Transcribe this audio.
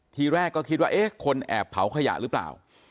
ทีแรกก็คิดว่าเอ๊ะคนแอบเผาขยะหรือเปล่า